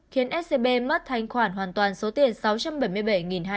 khiến scb mất thanh khoản hoàn toàn số tiền sáu trăm bảy mươi bảy hai trăm tám mươi sáu tỷ đồng